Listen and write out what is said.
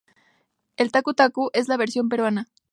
El tacu-tacu es la versión peruana.